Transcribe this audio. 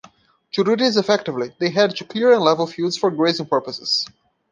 To do this effectively, they had to clear and level fields for grazing purposes.